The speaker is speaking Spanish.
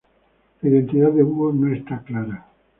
La identidad de Hugo no está clara.